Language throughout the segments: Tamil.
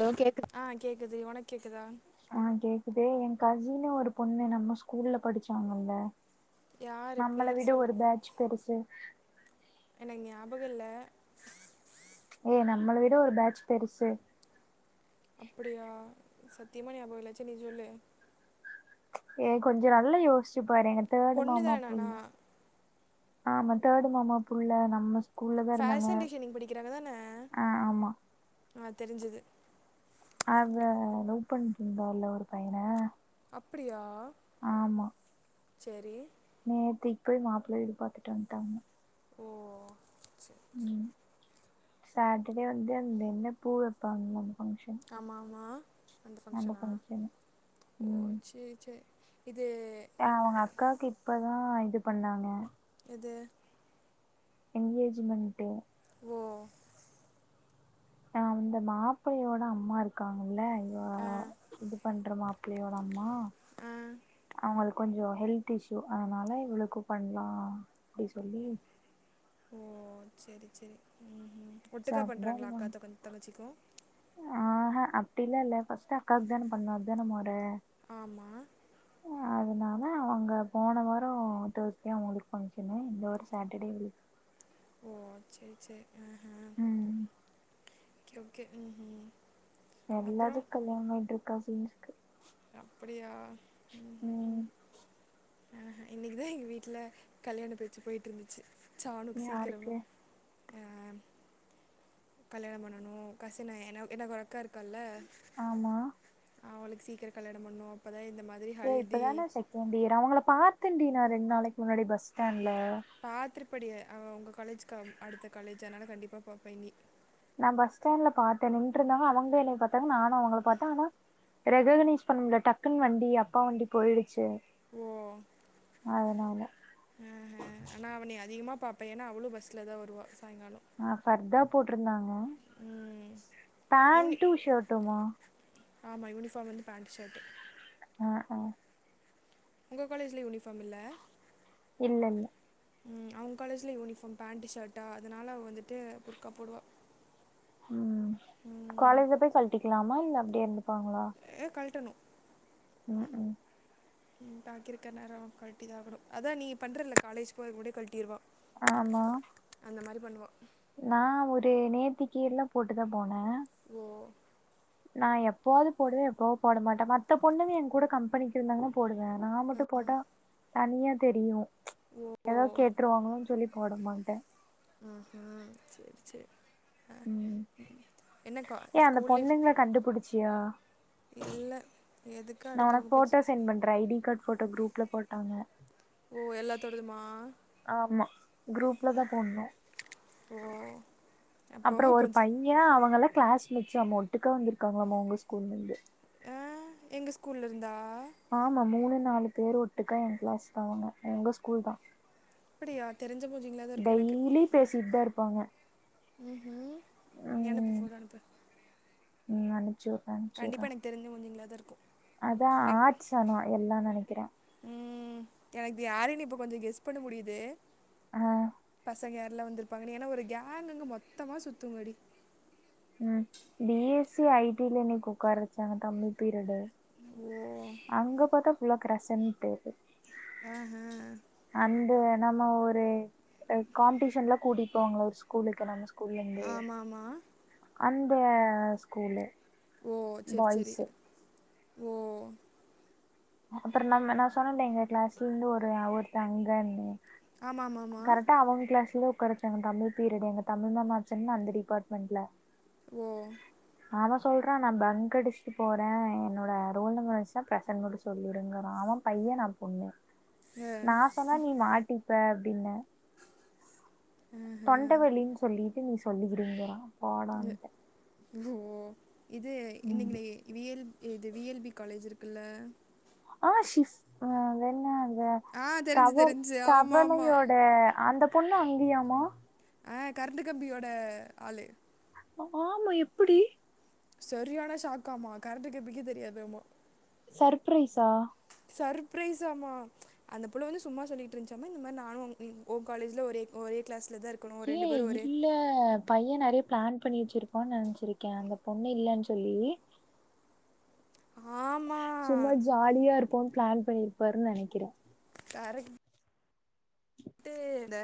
ஹலோ கேக்குது ஆ கேக்குது ஒனக்கேக்குதா ஆ கேக்குதே என் கசினு ஒரு பொண்ணு நம்ம ஸ்கூல்ல படிச்சாங்கல்ல யார் நம்மள பேர் விட சொல் ஒரு பேட்ச் பெருசு எனக் ஞாபகல்ல ஏய் நம்மள விட ஒரு பேட்ச் பெருசு அப்படியா சத்தியமா ஞாபகல்ல சரி நீ சொல்லு ஏய் கொஞ்சொ நல்லா யோஸிச்சி பாரு எங்க தேர்டு பொண்ணு மாமா தானாண்ணா புள்ள ஆமா தேர்டு மாமா புள்ள நம்ம ஸ் ஃபேஷன் டிசைனிங் படிக்கிறாங்க தான ஆ ஆமா ஆ தெரிஞ்சுது அவ லவ் பண்ட்டு இருந்தால ஒரு பையன அப்டியா ஆமா செரி நேத்திக் போய் மாப்ள்ள வீடு பாத்துட்டு வந்ட்டாங்க ஓ செரி ம் சாட்டடே வந்து அந்த என்ன பூ வெப்பாங்க ஆமா ஆமா அந்த ஃபங்க்ஷனா ஓ ம் சேரி சேரி இது அவங்க அக்காக்கு இப்ப தா இது பண்ணாங்க எது எங்கேஜிமெண்ட்டு ஓ ஆ அந்த மாப்பிளையோட அம்மா இருக் க்காங்கள்ள இவ ஆ இது பண்ற மாப்பிள்ளையோட அம்மா ஆ அவங்களுக்கு கொஞ்சொ ஹெல்த் இஷ்யூ அதனால இவளுக்கூ பண்லா அப்டி சொல்லி ஓ செரி செரி ம் ஒட்டுக்கா பண்றாங்களா அக்கா த தங்கச்சிக்கூ ஆஹ அப்டிலா இல்ல ஃபஸ்ட் அக்காவுக்கு தான பண்ணு அத்தான மொற ஆமா அதனா ஆனா அங்க போன வாரோ தேர்ஸ்டே அவுங்களுக்கு ஃபங்க்ஷனு இந்த வார சேட்டர்டே இவ்ளுக்கு ஓ செரி செரி ஆஹ ம் ஒகே ஒகே ம் ம் எல்லாத்துக் கல்யாண ஆயிட்ருக்கா சீன்ஸ்க்கு அப்படியா ம் ஹும் ஆ இன்னிக்குதா எங்க வீட்டுல கல்யாண பேச்சு போயிட்ருந்துச்சு சாணுக்கு சீக்கிரமா யாருக்கு ஆ கல்யாணம் பண்ணனு கசின என எனக்கு ஒரு அக்கா இருக்கால்ல ஆமா அவளுக்கு சீக்கரோ கல்யாணம் பண்ணும் அப்பதா இந்த மாதிரி ஏ ஹல்தி இப்பதான செகண்ட் இயர் அவங்கள பாத்தேன்டி நா ரெண்டு நாளைக்கு முன்னாடி பஸ் ஸ்டாண்ட்ல பாத்திருப்படி அவ உங்க காலேஜிக்கு அடுத்த காலேஜ் அதனால கண்டிப்பா பாப்ப நீ நா பஸ் ஸ்டாண்ட்ல பாத்தே நின்ட்ருந்தாங்க அவங்க என்னைய பாத்தாங்க நானு அவுங்கள பாத்தே ஆனா ரெககனைஸ் பண்ணுமுல்ல டக்குன் வண்டி அப்பா வண்டி போயிடுச்சு ஓ அதனால ஆ அ ஆனா அவன நீ அதிகமா பாப்ப ஏனா அவ்ளோ பஸ்லதா வருவா சாயங்காலோ அ ஃபர்தா போட்ருந்தாங்க ம் பேண்டூ ஷர்ட்டுமா ஆமா யூனிஃபார்ம்ல வந்து பேண்ட்டு ஷர்ட்டு ம் ம் உங்க காலேஜ்ல யூனிஃபார்ம் இல்ல இல்ல இல்ல ம் அவங்க காலேஜ்ல யூனிஃபார்ம் பேண்டு ஷர்ட்டா அதனால அவ வந்துட்டு புர்க்கா போடுவா ம் ம், காலேஜ்ல போய் கழட்டிக்கலாமா இல்ல அப்டியே இருந்துப்பாங்களா ஏ கழட்டணோ ம் ம் ம் பாக்கி இருக்க நேரோ கழட்டிதா ஆகணோ அதா நீங்க பண்றல காலேஜ் போறது முன்னாடியே கழட்டிடுவா ஆமா அந்த மாரி பண்ணுவா நா ஒரு நேத்திக்கி எல்லா போட்டுதா போனே ஓ நா எப்பாவது போடுவே எப்பவோ போட மாட்டே மத்த பொண்ணுங்க என் கூட கம்பெனிக்கு இருந்தாங்கன்னா போடுவே நா மட்டு போட்டா தனியா தெரியு ஓ எதாது கேட்டுருவாங்களானோ சொல்லி போட மாட்டே ம் ம் செரி செரி ஆ ம் என்னக்கா ஏ அந்த ஸ்கூல் லைஃப் பொண்ணுங்கள கண்டுபிடிச்சியா இல்ல எதுக்கு அடுத்த ஃபோட்டோ சென்ட் பண்ற ஐ டி கார்டு ஃபோட்டோ குரூப்ல போட்டாங்க ஓ எல்லா தோடதுமா ஆமா குரூப்ல தா போட்ணு ஓ அப்போ அப்றோ ஒரு கொஞ்சம் பைய அவங்கலா கிளாஸ்மேட்ஸ் ஆமா ஒட்டுக்க வந்துருக்காங்களாமா உங்க ஸ்கூல்ல இருந்து ஆ எங்க ஸ்கூல்ல இருந்தா ஆமா மூணு நாலு பேர் ஒட்டுக்கா எ கிளாஸ்தா அவங்க உங்க ஸ்கூல் தா அப்படியா தெரிஞ்ச மூஞ்சிங்களா தா இருக்கு எனக்கு பேசிட்தா இருப்பாங்க ம் ம் நீ அனுப்பு ம் ஃபோட்டோ அனுப்பு ம் அனுப்ச்சு உ கண்டிப்பா எனக்கு தெரிஞ்ச மூஞ்சிங்களாதா இருக்கோ அதா ஆட்சனா எல்லா நெனைக்குற ம் எனக்கு இது யாருன்னு இப்போ கொஞ்சோ கெஸ் பண்ண முடியுது ஆ பசங்க யார்லா வந்திருப்பாங்கன்னு ஏன்னா ஒரு கேங்குங்கு மொத்தமா சுத்துங்கடி ம் பி எஸ் சி ஐ டில இன்னிக்கி ஒக்கார வெச்சாங்க தமிழ் பீரியடு ஓ அங்க பாத்தா ஃபுல்லா ப்ரசன்ட்டு இது அஹ அந்த நம்ம ஒரு காம்ப்டிஷன்லா கூட்டிட்போவாகல்ல ஒரு ஸ்கூலுக்கு நம்ம ஸ் கூல்லந்து ஆமா அந்த ஸ்கூலு ஓ செர் செரி பாய்ஸு ஓ அப்பறோ நம்ம நா சொன்னல்ல எங்க கிளாஸ்ல இருந்து ஒரு ஒருத்த அங்கன்னு ஆமாம் ஆமாம் ஆமாம் கரெக்டா அவங்க கிளாஸ்ல ஒக்கார வெச் டாங்க தமிழ் பீரியட் எங்க தமிழ் மேம் ஆச்சன்ன அந்த டிபாட்மெண்ட்ல ஓ அவ சொல்றா நா பங்க் அடிஷ்ட்டு போற என்னோட ரோல் நம்பர் வந்ச்னா ப்ரெசன் மட்டு சொல்லிடுங்கிறா அவ பைய நா பொண்ணு ஆ, நா சொன்ன நீ மாட்டிப்ப அப்டின்ன ஆஹா தொண்டவலின் சொல்லிட்டு நீ சொல்லிடுங்கிறா அ ஓ இது இன்னைக்கு ம் நீ விஎல் இது வி எல் பி காலேஜ் இருக்குல்ல ஆ ஷிஸ் அ வென்ன அத ஆ தெரிஞ்சு தவ தெரிஞ்சு ஆமா ஆமா தவளையோட அந்தப் பொண்ணு அங்கியாம்மா ஆ கரெண்டு கம்பியோட ஆளு ஆமா எப்பிடி செரியான ஷாக்காமா கரண்ட்டு கம்பிக்கே தெரியாதாமா சர்ப்ரைஸா சர்ப்ரைஸாமா அந்த புள்ள வந்து சும்மா சொல்லிட்ருந்ச்சாமா இந்த மாரி நானு உ உ காலேஜ்ல ஒரே ஒரே க்ளாஸ்லதா இரு ஏ இல்ல பைய நெறைய ப்ளான் பண்ணி வெச்சிருப்பான் நென்ச்சிருக்க அந்த பொண்ணு இல்லன் சொல்லி ஆமா ஆலியா இருப்போன் ப்ளான் பண்ணிருப்பாருன் நெனைக்கிற கரெக் ட்டு த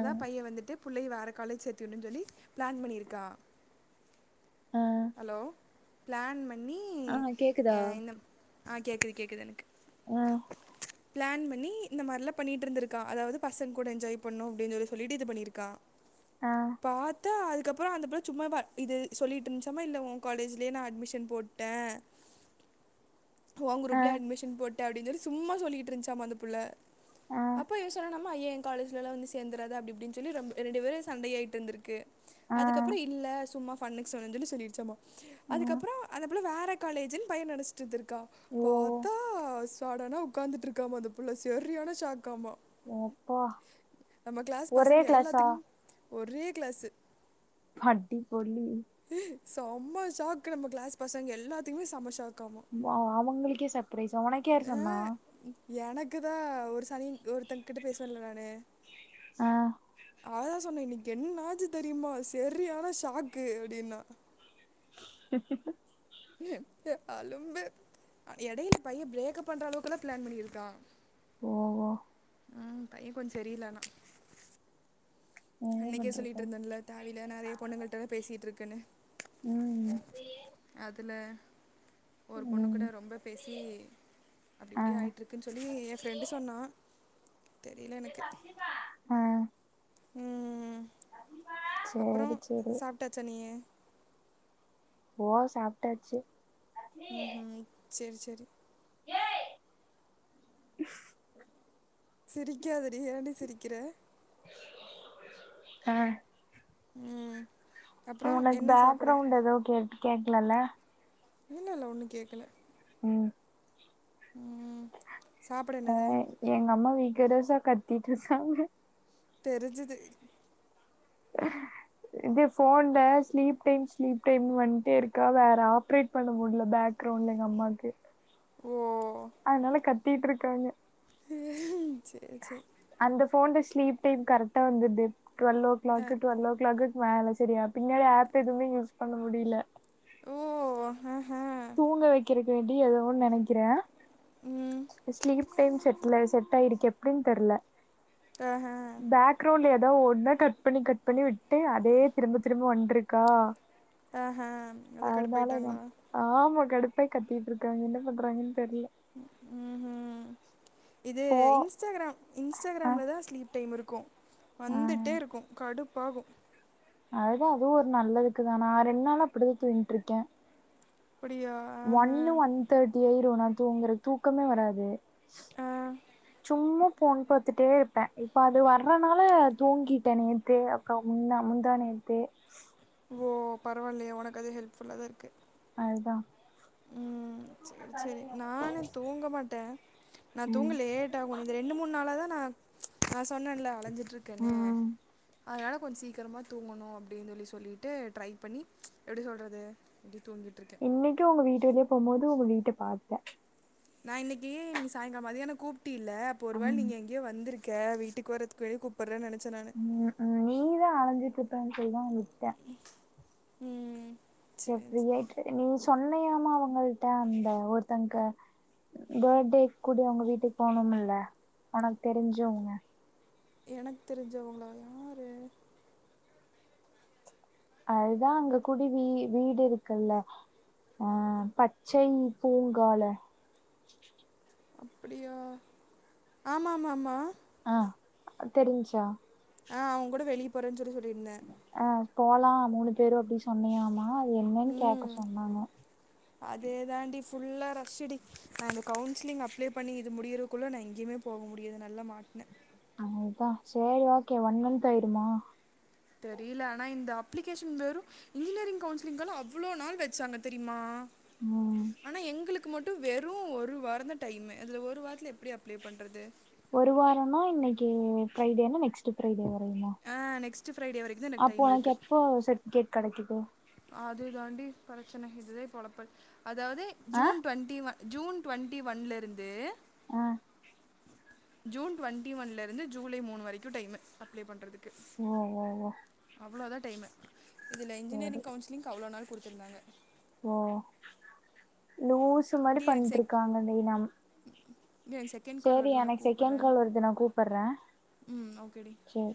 ஆ பைய வந்துட்டு புள்ளய வேற காலேஜ் சேர்த்திவிட்ணுன் சொல்லி ப்ளான் பண்ணியிருக்கான் ஆ ஹலோ ப்ளான் பண்ணி ஆ கேக்குதா அ இந்த ஆ கேக்குது கேக்குது எனக்கு ஆ ப்ளான் பண்ணி இந்த மாரிலா பண்ணிட்டிருந்திருக்கா அதாவது பசங்க கூட என்ஜாய் பண்ணு அப்டின் சொல்லி சொல்லிட்டு இது பண்ணிருக்கா ஆ பாத்தா அதுக்கப்பறோ அந்த புள்ள சும்மா ப இது சொல்லிட் டிந்ச்சாமா இல்ல உ காலேஜ்ல்யே நா அட்மிஷன் போட்ட ஒ ஆ குரூப்லே அட்மிஷன் போட்ட அப்டின் சொல்லி சும்மா சொல்லிட்டுருந்ச்சாமா அந்த புள்ள ஆ அப்போ இவ சொன்னானாமா ஐய ஏ காலேஜ்லல்லா வந்து சேந்துராத அப்டி இப்டின் சொல்லி ரொம்ப் ரெண்டு பேரு சண்டயாயிட்டுருந்துருக்கு ஆ அதுக்கப்பறோ இல்ல சும்மா ஃபன்னுக் சொன்னஞ்சொல்லி சொல்லிருச்சாமா ஆ அதுக்கப்பறோ அந்த புள்ள வேற காலேஜுன் பைய நெனஷ்ட்டுருந்திர் கா ஓ பாத்தா சடனா உக்காந்துட்ருக்காமா அந்த புள்ள செரியான ஷாக்காமா எப்பா நம்ம க்ளாஸ் ஒரே பசங்க கிளாஸா எல்லாத்துக்கும் ஒரே க்ளாஸு ஹட்டி போலி சம்ம ஷாக்கு நம்ம க்ளாஸ் பசங்க எல்லாத்துக்குமே சம்ம ஷாக்காமா வா அவங்களுக்கே சர்பரைஸ்ஸா உனக்கு யாரு சொன்னா எனக்குதா ஒரு சனியன் ஒருத்தங்கிட்ட பேசுவன்ல நானு ஆ அவதா சொன்ன இன்னிக் என்ன ஆச்சு தெரியுமா செரியான ஷாக்கு அப்டினா அலும்பு எடையில பைய ப்ரேக்கப் பண்ற அளவுக்குல்லா ப்ளான் பண்ணியிருக்கா ஓ ஓ அ பையே கொஞ் செரி இல்ல ஆனா என்ன அன்னைக்கே பண்றது சொல்லிட்டுருந்தேன்ல தேவையில்லா நெறைய பொண்ணுங்கள்டல்லா பேசிட்ருக்குன்னு ம் அதுல ஒரு பொண்ணுக் கூட ம் ரொம்ப பேசி அப்டி ஆ இப்டி ஆயிட்ருக்குன் சொல்லி எ ஃப்ரெண்டு சொன்னா தெரில எனக்கு ம் ம் அப்புறோ சேரி சேரி சாப்ட்டாச்சா நீயி ஓ சாப்ட்டாச்சு ம் ம் சேர் சேரி ஏய் சிரிக்காதடி ஏன் டி சிரிக்கிற அ ம் அப்புறம் ஒனக்கு என்ன சாப்பிட பாக்ரௌண்ட் எதோ கேக் கேக்கலல இல்லல ஒண்ணு கேக்கல ம் ம் சாப்பிட ஆ என்னது எங்க அம்மா வீட்ல தா சார் கத்திட்ருக்காங்க தெரிஞ்சிது இது ஃபோன்ல ஸ்லீப் டைம் ஸ்லீப் டைம்ன் வன்ட்டே இருக்கா வேற ஆப்ரேட் பண்ண முடில பாக்ரௌண்ட்ல எங்க அம்மாக்கு ஓ அனால கத்திட்டிருக்காங்க சேர் சேரி அந்த ஃபோன்ல ஸ்லீப் டைம் கரெக்ட்டா வந்துது twelve o uh, clock twelve o கிளாக்குகு மேல செரியா பின்னாடி ஆப் எதுமே யூஸ் பண்ண முடில ஓ உம் உம் தூங்க வைக்கிறக்கி வேண்டி எதோ ஒண்ணு நெனைக்கிறே ம் ஸ்லீப் டைம் செட்ல செட் ஆயிடுக்க எப்டின் தெர்ல ஆஹா பேக் கிரௌண்ட்ல எதா ஓன்னா கட் பண்ணி கட் பண்ணி விட்டு அதே திரும்ப திரும்ப வந்துருக்கா ஆஹ்ஹா அதா கடுப்பாய்ட்டாங்களா ஆமா கடுப்பாய் கத்திட்ருக்காங்க என்ன பண்றாங்கன் தெர்ல உம் உஹம் இது போ இன்ஸ்டாகிராம் ஆ இன்ஸ்டாகிராம்ல தா ஸ்லீப் டைம் இருக்கோ ஆ வந்துட்டே இருக்கு கடுப்பாகு அதுதா அதுவு ஒரு நல்லதுக்குதா நா ரெண்ட் நாளா அப்டிதா தூங்கிட்ருக்கே அப்டியா ஒன்னு ஒன் தேர்டி ஆயிரு நா தூங்கறத் தூக்கமே வராது ஆ சும்மா போன் பாத்துட்டே இருப்பே இப்போ அது வர்றனால தூங்கிட்டே நேத்தே அக்கம் முன்னா முந்தா நேத் தே ஓ பரவாயில்லையா உனக்கு அது ஹெல்ப்ஃபுல்லா தா இருக்கு அதுதா ம் செரி செரி நானு தூங்க மாட்டே நா ம் தூங்லேட் டாகு இந்த ரெண்டு மூணு நாளா தா நா நா சொன்னேன்ல அலஞ்சு இருக்கனே ம் அதனால கொஞ்சோ சீக்கரமா தூங்கணு அப்டின்னு சொல்லி சொல்லிட்டு ட்ரை பண்ணி எப்டி சொல்றது இப்டி தூங்கிட்டிருக் இன்னைக்கு உங்க வீட்டு வழியே போம்போது உங்க வீட்ட பாத்தே நா இன்னிக்கி இன்னிக் சாயங்காலோ மதியான கூப்டில்ல அப்ப ஒரு வேல ம் நீங்க எங் கயோ வந்திருக்க வீட்டுக்கு வரதுக்கு வெளிய கூப்பட்ற நினைச்சே நான் ம் ம் நீதா அலைஞ்சிட்டு இருப்பன்னு சொல்லி தா உட்டே ம் சேர் சரி ஃப்ரீயாட்டு நீ சொன்னையாமா அவங்கள்ட அந்த ஒருத்தங்கங்க பேர்த்டே கூட அவுங்க வீட்டுக்கு போனோமில்ல உனக்கு தெரிஞ்சவங்க எனக்கு தெரிஞ்சவங்களா யாரு அதுதா அங்க குடுவி வீடு இருக்குல்ல ஆ பச்சை பூங்கால அப்புடியா ஆமா ஆமா ஆமா ஆ தெரிஞ்சா ஆ அவ கூட வெளிய போறேன்னு சொல்லி சொல்லியிருந்த அ போலா மூணு பேரு அப்டின் சொன்னியாமா அது என்னன்னு கேட்க ம் சொன்னாங்க அதே தாண்டி ஃபுல்லா ரெஸ்ட் டீ நா இந்த கவுன்சிலிங் அப்ளை பண்ணி இது முடியிறக்குள்ள நா எங்கியுமே போக முடியாது நல்ல மாட்னே ஆ அதா சேரி ஓகே ஒன் மந்த் ஆயிருமா தெரியல ஆனா இந்த அப்ளிகேஷன் வெறு இன்ஜினியரிங் கவுன்சிலிங்கெல்லா அவ்ளோ நாள் வெச்சாங்க தெரிமா ம் ஆனா எங்ளுக் க்கு மட்டு வெறு ஒரு வாரோந்த டைமு அதுல ஒரு வாரத்துல எப்டி அப்ளை பண்றது ஒரு வாரோன்னா இன்னைக்கி ஃப்ரைடேனா நெக்ஸ்ட் ஃப்ரைடே வரையுமா ஆ நெக்ஸ்ட்டு ஃப்ரைடே வரைக்கு தா எனக்கு அப்போ டைம் உனக்கு இருக்கு எப்ப சர்டிபிகேட் கெடைக்குது அது தாண்டி பிரச்சன இதுதா இப்ப ஒலப்பல் அதாவது ஆ June twenty one June twenty ஒன்லருந்து ஆ ஜூன் டுவெண்டி ஒன்ல இருந்து ஜூலை மூணு வரைக்கு டைம்மு அப்ளை பண்ணறதுக்கு ஓ ஓ ஓ அவ்ளதா டைமு இதுலா சேரி இன்ஜினியரிங் கவுன்சிலிங்க் அவ்ளோ நாள் குடுத்திருந்தாங்க ஓ லூசு மாரி பண்ணிட்டிருக்காங்க டீ நம் டே செகண்ட் கால் சேரி வருது உன்ன எனக்கு கூப்புட்ற செகண்ட் கால் வருது நா கூப்பட்றே ம் ஓகேடி சேரி